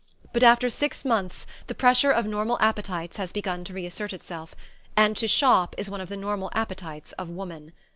But after six months the pressure of normal appetites has begun to reassert itself and to shop is one of the normal appetites of woman.